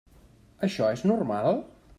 Això és normal?